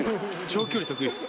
長距離得意です。